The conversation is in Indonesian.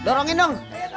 gah dorongin dong